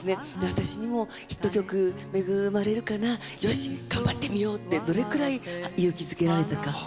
私にもヒット曲恵まれるかなよし頑張ってみようってどれくらい勇気づけられたか。